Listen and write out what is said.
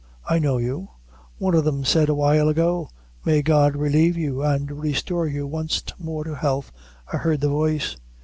I know you. One o' them said a while ago, 'May God relieve you and restore you wanst more to health;' I heard the voice."